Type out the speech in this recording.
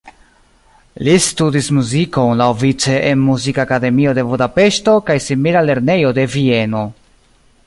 Li studis muzikon laŭvice en Muzikakademio de Budapeŝto kaj simila lernejo de Vieno.